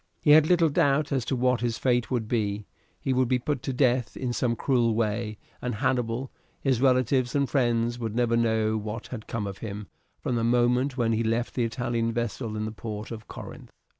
He had little doubt as to what his fate would be; he would be put to death in some cruel way, and Hannibal, his relatives, and friends would never know what had become of him from the moment when he left the Italian vessel in the port of Corinth.